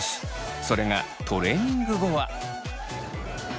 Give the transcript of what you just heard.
それがトレーニング後は。